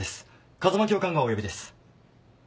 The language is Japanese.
風間教官がお呼びです。